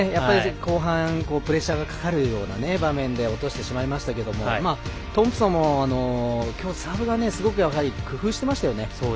後半、プレッシャーがかかるような場面で落としてしまいましたがトンプソンもきょうサーブをすごく工夫してましたよね。